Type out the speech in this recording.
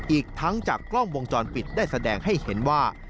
อีกทั้งจากกล้องวงจรปิดได้แสดงให้เห็นว่า